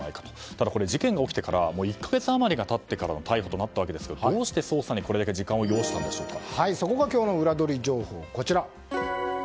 ただ、事件が起きてから１か月余りが経ってからの逮捕となったんですがどうして捜査にこれだけそこが今日のウラどり情報です。